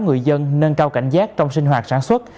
người dân nâng cao cảnh giác trong sinh hoạt sản xuất